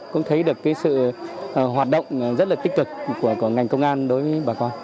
công an tỉnh bắc ninh cũng thấy được sự hòa hợp